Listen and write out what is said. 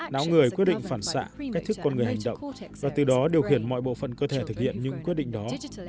não người quyết định phản xạ cách thức con người hành động và từ đó điều khiển mọi bộ phận cơ thể thực hiện những quyết định đó